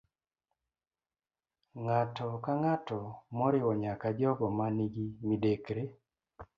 Ng'ato ka ng'ato, moriwo nyaka jogo ma nigi midekre